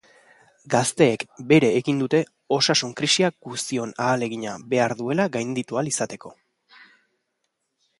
Gazteek bere egin dute osasun-krisiak guztion ahalegina behar duela gainditu ahal izateko.